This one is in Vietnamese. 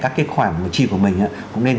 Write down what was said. các cái khoản chi của mình cũng nên